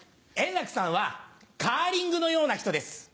円楽さんはカーリングのような人です。